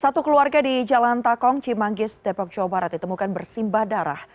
satu keluarga di jalan takong cimanggis depok jawa barat ditemukan bersimbah darah